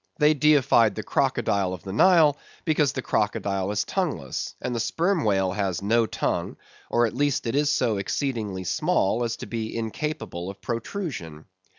They deified the crocodile of the Nile, because the crocodile is tongueless; and the Sperm Whale has no tongue, or at least it is so exceedingly small, as to be incapable of protrusion.